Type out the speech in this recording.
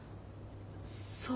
そう。